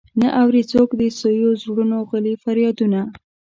نه اوري څوک د سويو زړونو غلي فريادونه.